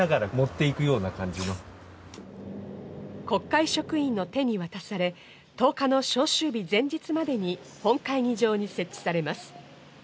国会職員の手に渡され、１０日の召集日前日までに本会議場に設置されます。